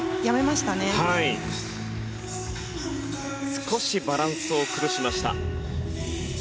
少しバランスを崩しました。